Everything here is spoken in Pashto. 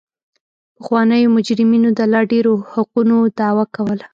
پخوانیو مجرمینو د لا ډېرو حقونو دعوه کوله.